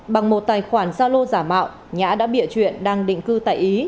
bằng một tài khoản gia lô giả mạo nhã đã bịa chuyện đang định cư tại ý